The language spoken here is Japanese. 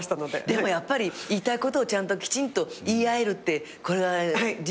でもやっぱり言いたいことをきちんと言い合えるってこれは実にね。